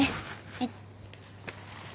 はい。